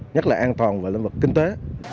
nhất là an toàn vào lĩnh vực kinh tế